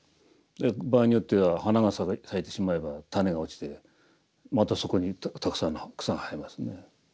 場合によっては花が咲いてしまえば種が落ちてまたそこにたくさんの草が生えますね。